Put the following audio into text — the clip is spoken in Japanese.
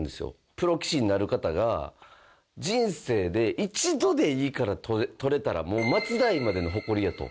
プロ棋士になる方が人生で一度でいいから、とれたらもう末代までの誇りやと。